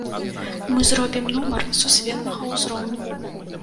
Мы зробім нумар сусветнага ўзроўню.